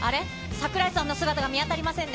櫻井さんの姿が見当たりませんね。